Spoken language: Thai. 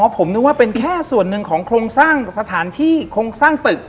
ผมนึกว่าเป็นแค่ส่วนหนึ่งของโครงสร้างสถานที่โครงสร้างตึก